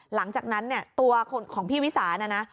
หลังจากนั้นเนี่ยตัวของพี่วิสานะนะ